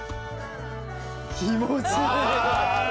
気持ちいい。